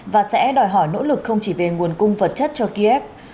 và sẽ đòi hỏi nỗ lực không chỉ về nguồn cung vật chất cho kiev